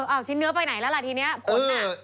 เอาชิ้นเนื้อไปไหนแล้วล่ะทีนี้ผลอ่ะ